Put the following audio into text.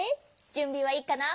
じゅんびはいいかな？